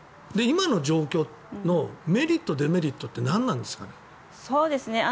今の状況のメリット、デメリットって何なんですかね。